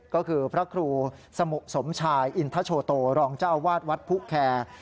ก็คือพระครูสมชายอินทชโชโตรองเจ้าว่าดวัดภูแคร